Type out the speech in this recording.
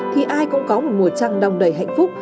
thì ai cũng có một mùa trăng đong đầy hạnh phúc